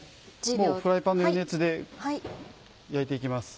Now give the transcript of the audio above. フライパンの余熱で焼いて行きます。